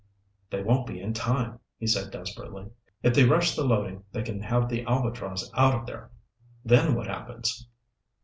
"They won't be in time," he said desperately. "If they rush the loading, they can have the Albatross out of there. Then what happens?